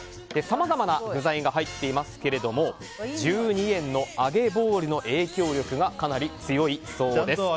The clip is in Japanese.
さまざまな具材が入っていますが１２円の揚げボールの影響力がかなり強いそうです。